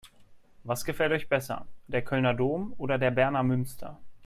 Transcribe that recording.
Was gefällt euch besser: Der Kölner Dom oder der Berner Münster?